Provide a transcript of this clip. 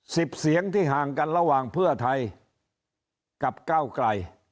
เสียงที่ห่างกันระหว่างเพื่อไทยกับก้าวไกล